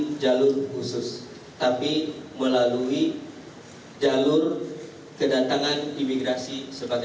ini adalah posisi yang khusus tapi melalui jalur kedatangan imigrasi sepatutnya